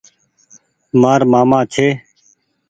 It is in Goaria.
مآر مآمي ڇي ۔